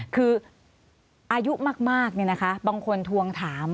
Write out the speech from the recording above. คืออายุมากเนี่ยนะคะบางคนทวงถาม